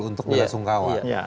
untuk melaksung kawal